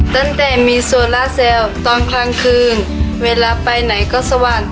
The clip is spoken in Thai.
ตั้งแต่มีโซล่าเซลตอนกลางคืนเวลาไปไหนก็สว่าง